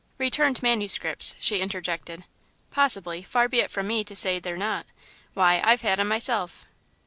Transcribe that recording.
"Returned manuscripts," she interjected. "Possibly far be it from me to say they're not. Why, I've had 'em myself."